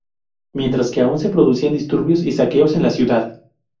Mientras que aún se producían disturbios y saqueos en la ciudad.